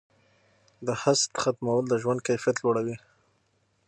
د حسد ختمول د ژوند کیفیت لوړوي.